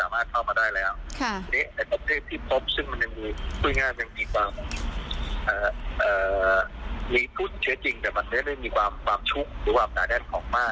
มีพุทธเชื้อจริงแต่มันไม่ได้มีความชุกหรือความตาแด้นของมาก